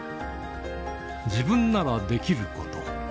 自分ならできること。